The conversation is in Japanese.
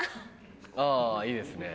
あいいですね。